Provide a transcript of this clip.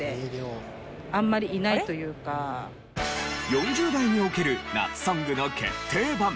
４０代における夏ソングの決定版。